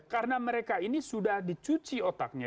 karena mereka ini sudah dicuci otaknya